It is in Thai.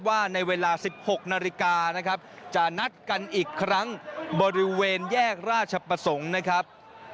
ว่าในเวลา๑๖นาฬิกานะครับจะนัดกันอีกครั้งบริเวณแยกราชประสงค์นะครับ